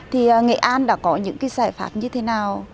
thì nghệ an đã có những cái giải pháp như thế nào